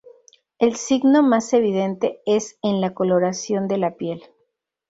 El signo más evidente es en la coloración de la piel.